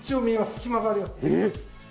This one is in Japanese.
隙間があります。